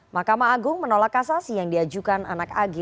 mahkamah agung menolak kasasi yang diajukan anak ag